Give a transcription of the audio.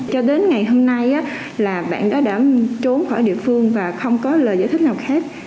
cho đến ngày hôm nay là bạn đó đã trốn khỏi địa phương và không có lời giải thích nào khác